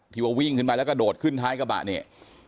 ว่าวิ่งขึ้นไปแล้วก็โดดขึ้นท้ายกระบะเนี่ย